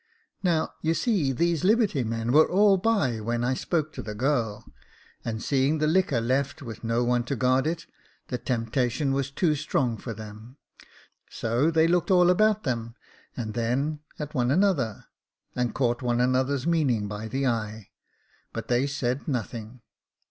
Now, you see these liberty men were all by when I spoke to the girl, and seeing the liquor left with no one to guard it, the temptation was too strong for them. So they looked all about them, and then at one another, and caught one another's meaning by the eye ; but they said nothing.